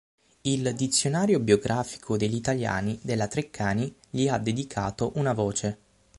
Il "Dizionario Biografico degli Italiani" della Treccani gli ha dedicato una voce.